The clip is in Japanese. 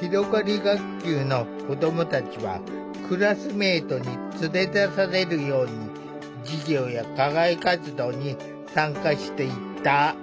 ひろがり学級の子どもたちはクラスメートに連れ出されるように授業や課外活動に参加していった。